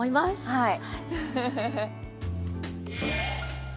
はい。